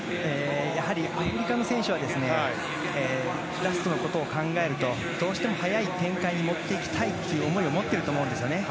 アフリカの選手はラストのことを考えるとどうしても早い展開に持っていきたいという思いを持ってると思うんです。